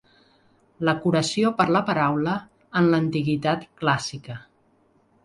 La curació per la paraula en l'Antiguitat clàssica.